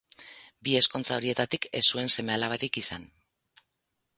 Bi ezkontza horietatik ez zuen seme-alabarik izan.